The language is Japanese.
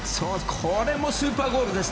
これもスーパーゴールです。